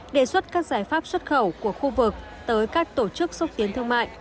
đề xuất các giải pháp xuất khẩu của khu vực tới các tổ chức xúc tiến thương mại